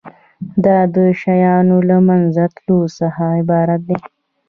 دا د شیانو له منځه تلو څخه عبارت دی.